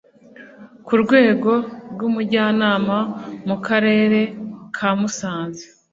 ku rwego rw'umujyanama mu Karere ka Musanze,